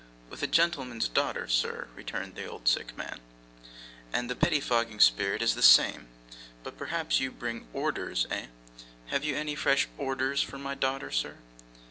'With a gentleman's daughter, sir,' returned the sick man, 'and the pettifogging spirit is the same. But perhaps you bring ORDERS, eh? Have you any fresh ORDERS for my daughter, sir?